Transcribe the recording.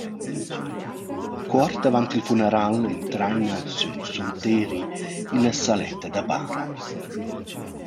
Cuort avant il funaral entraina sün sunteri illa saletta da bara.